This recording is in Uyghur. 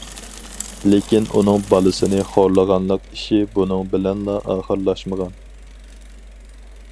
لېكىن ئۇنىڭ بالىسىنى خورلىغانلىق ئىشى بۇنىڭ بىلەنلا ئاخىرلاشمىغان.